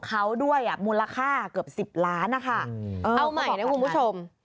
เขาด้วยอ่ะมูลค่าเกือบ๑๐ล้านนะคะเอาใหม่นะคุณผู้ชม